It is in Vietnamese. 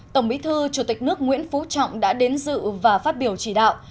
tổng bí thư chủ tịch nước nguyễn phú trọng đã đến dự và phát biểu chỉ đạo